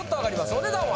お値段は！